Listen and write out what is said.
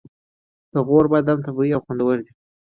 د غور بادام طبیعي او خوندور دي.